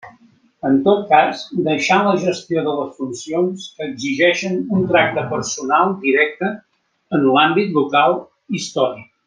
En tot cas, deixant la gestió de les funcions que exigeixen un tracte personal directe en l'àmbit local històric.